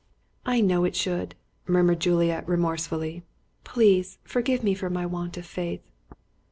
"I know it should," murmured Juliet remorsefully; "please forgive me for my want of faith."